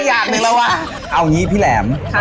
เอาอย่างนี้พี่แหลม